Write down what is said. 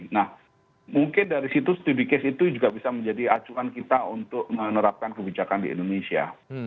nah mungkin dari situ studi case itu juga bisa menjadi acuan kita untuk menerapkan kebijakan di indonesia